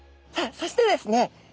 そしてですね